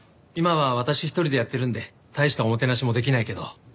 今は私一人でやってるんで大したおもてなしもできないけど。